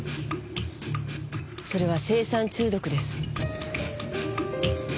それは青酸中毒です。